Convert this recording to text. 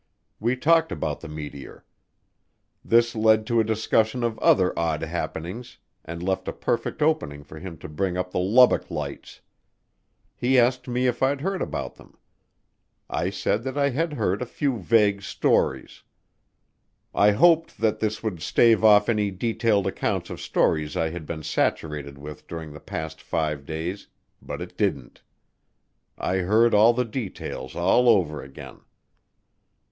We talked about the meteor. This led to a discussion of other odd happenings and left a perfect opening for him to bring up the Lubbock Lights. He asked me if I'd heard about them. I said that I had heard a few vague stories. I hoped that this would stave off any detailed accounts of stories I had been saturated with during the past five days, but it didn't. I heard all the details all over again.